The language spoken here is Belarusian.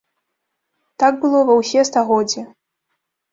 Так было ва ўсе стагоддзі.